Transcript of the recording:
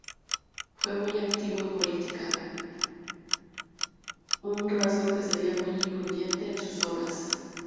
Fue muy activo en política, un rasgo que sería muy influyente en sus obras.